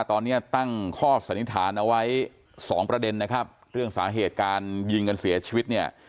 ตอนนี้ตั้งข้อสันนิษฐานเอาไว้สองประเด็นนะครับเรื่องสาเหตุการยิงกันเสียชีวิตเนี่ย